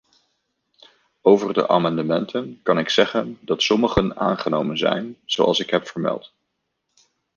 Over de amendementen kan ik zeggen dat sommige aangenomen zijn, zoals ik heb vermeld.